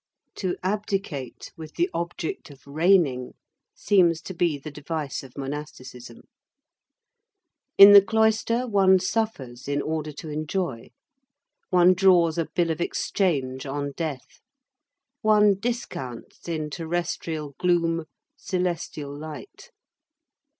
To abdicate with the object of reigning seems to be the device of monasticism. In the cloister, one suffers in order to enjoy. One draws a bill of exchange on death. One discounts in terrestrial gloom celestial light.